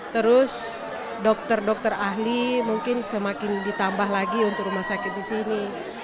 terus dokter dokter ahli mungkin semakin ditambah lagi untuk rumah sakit di sini